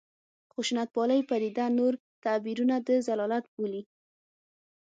خشونتپالې پدیده نور تعبیرونه د ضلالت بولي.